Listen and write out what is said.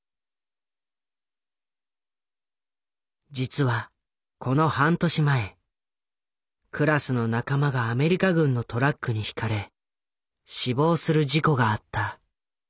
実はこの半年前クラスの仲間がアメリカ軍のトラックにひかれ死亡する事故があった。